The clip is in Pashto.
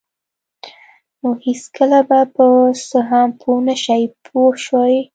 نو هېڅکله به په څه هم پوه نشئ پوه شوې!.